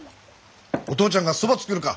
お父ちゃんがそば作るか？